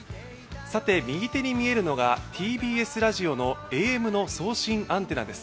さて、右手に見えるのがＴＢＳラジオのＡＭの送信アンテナです。